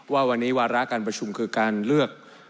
ว่าวันนี้วาระการประชุมคือการเลือก